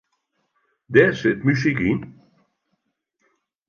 Dêr sit muzyk yn.